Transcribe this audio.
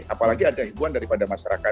apalagi ada himbuan daripada masyarakat